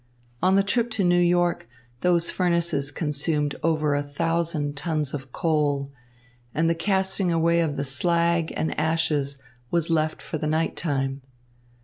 On the trip to New York those furnaces consumed over a thousand tons of coal, and the casting away of the slag and ashes was left for the nighttime.